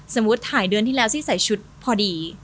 สมมุติถ่ายเดือนที่แล้วที่ใส่ชุดพอดี